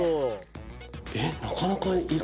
えっなかなかはい。